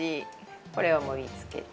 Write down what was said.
これを盛り付けて。